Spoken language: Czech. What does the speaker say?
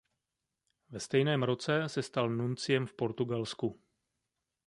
Ve stejném roce se stal nunciem v Portugalsku.